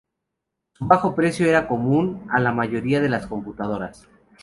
Su bajo precio era común a la mayoría de las computadoras.